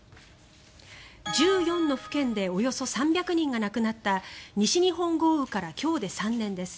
１４の府県でおよそ３００人が亡くなった西日本豪雨から今日で３年です。